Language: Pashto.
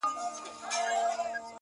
په دې ډېر ولس کي چا وهلی مول دی~